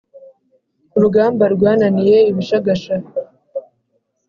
urugamba rwananiye ibishagasha